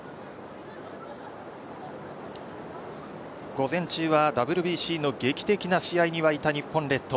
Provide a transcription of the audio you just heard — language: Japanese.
午前中はＷＢＣの劇的な試合に沸いた日本列島。